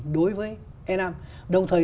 đối với e năm đồng thời